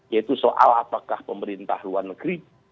yaitu soal apakah pemerintah luar negeri